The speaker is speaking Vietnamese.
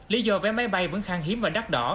lý do vé máy bay vẫn khang hiếm và đắt đỏ